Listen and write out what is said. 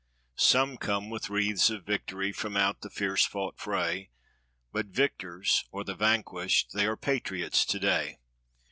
Some come with wreaths of victory from out the fierce fought fray; But victors or the vanquished they are patriots today.